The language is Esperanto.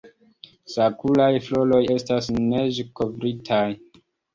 Sakuraj floroj estas neĝkovritaj!